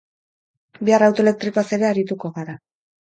Bihar auto elektrikoaz ere arituko dira.